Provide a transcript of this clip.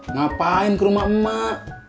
ngapain ke rumah emak